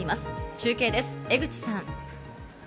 中継です、江口さん。